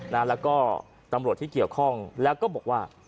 แล้วก็ตำรวจที่เกี่ยวข้องแล้วก็บอกว่า